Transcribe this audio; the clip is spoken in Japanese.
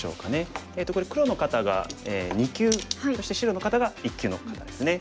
黒の方が２級そして白の方が１級の方ですね。